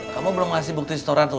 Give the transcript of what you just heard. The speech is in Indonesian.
kamu belum ngasih bukti setoran tuh